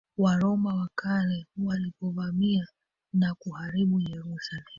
Waroma wa Kale walipovamia na kuharibu Yerusalemu